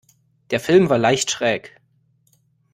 Der Film war leicht schräg.